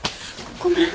ごめん。